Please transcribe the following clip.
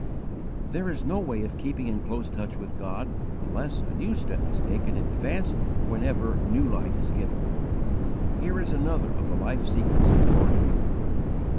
There is no way of keeping in close touch with God unless a new step is taken in advance whenever new light is given. Here is another of the life secrets of George Muller.